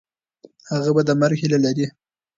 هغه به د مرګ هیله لري.